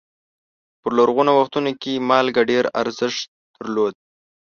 په لرغونو وختونو کې مالګه ډېر ارزښت درلود.